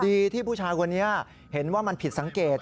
ดีที่ผู้ชายคนนี้เห็นว่ามันผิดสังเกต